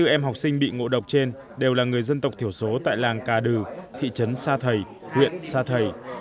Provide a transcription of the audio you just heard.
tám mươi bốn em học sinh bị ngộ độc trên đều là người dân tộc thiểu số tại làng cà đừ thị trấn sa thầy huyện sa thầy